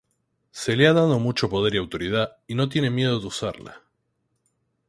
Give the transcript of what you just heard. Se le ha dado mucho poder y autoridad y no tiene miedo de usarla.